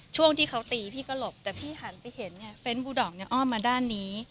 ช่วงที่เขาตีพี่ก็หลบแต่พี่หันอมารับไปเห็นเนี่ยเฟ้นบูด๋ออนมาด้านนี้